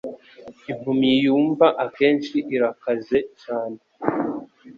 Impumyi yumva akenshi irakaze cyane